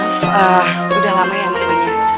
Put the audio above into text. maaf udah lama ya nanggapnya